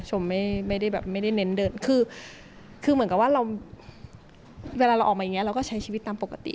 ไม่ได้แบบไม่ได้เน้นเดินคือเหมือนกับว่าเราเวลาเราออกมาอย่างนี้เราก็ใช้ชีวิตตามปกติ